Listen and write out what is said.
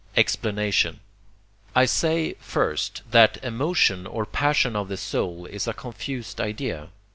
Explanation I say, first, that emotion or passion of the soul is a confused idea.